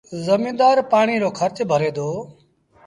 زميݩدآر پآڻي رو کرچ ڀري دو